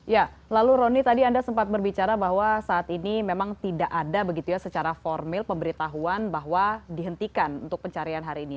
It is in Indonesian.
ya lalu rony tadi anda sempat berbicara bahwa saat ini memang tidak ada begitu ya secara formil pemberitahuan bahwa dihentikan untuk pencarian hari ini